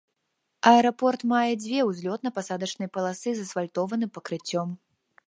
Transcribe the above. Аэрапорт мае дзве узлётна-пасадачныя паласы з асфальтавым пакрыццём.